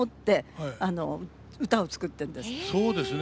そうですね